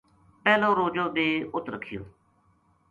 پہلو روجو بے اُت رکھیو۔